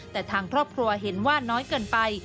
แต่ทางครอบครัวเห็นว่าน้อยเกินไป